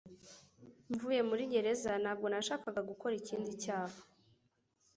Mvuye muri gereza ntabwo nashakaga gukora ikindi cyaha